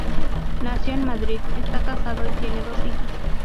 Nació en Madrid, está casado y tiene dos hijos.